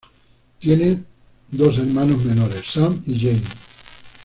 Tiene dos hermanos menores, Sam y Jamie.